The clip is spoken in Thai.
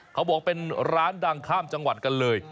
เขาบอกเป็นร้านดังข้ามจังหวัดกันเลย